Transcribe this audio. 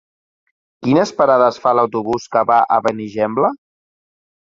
Quines parades fa l'autobús que va a Benigembla?